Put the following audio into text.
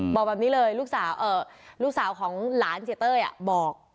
บอกแบบนี้เลยลูกสาวเอ่อลูกสาวของหลานเสียเต้ยอ่ะบอก